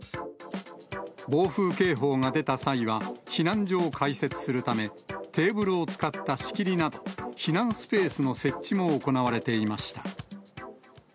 暴風警報が出た際は、避難所を開設するため、テーブルを使った仕切りなど、避難スペースの設置も行われていました。